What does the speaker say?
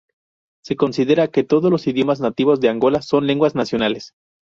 Se considera que todos los idiomas nativos de Angola son lenguas nacionales.